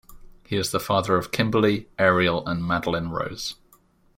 He is the father of Kimberly, Ariel and Madeline Rose.